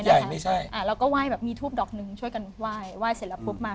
ไม่ใช่อ่าเราก็ไหว้แบบมีทูบดอกหนึ่งช่วยกันไหว้ไหว้เสร็จแล้วปุ๊บมา